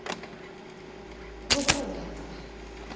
ご苦労であった。